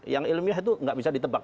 yang ilmiah itu nggak bisa ditebak